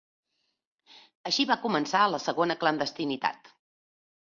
Així va començar la segona clandestinitat.